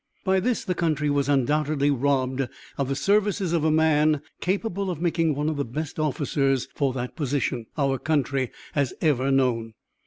By this, the country was undoubtedly robbed of the services of a man capable of making one of the best officers for that position our country has ever known.